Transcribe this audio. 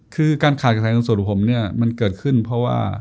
คือการขาดกระแสเงินส่วนของผมเนี่ยมันเกิดขึ้นเพราะว่า